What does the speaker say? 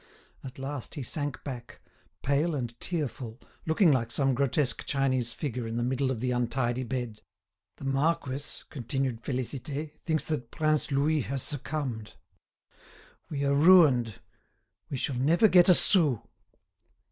At last he sank back, pale and tearful, looking like some grotesque Chinese figure in the middle of the untidy bed. "The marquis," continued Félicité, "thinks that Prince Louis has succumbed. We are ruined; we shall never get a sou."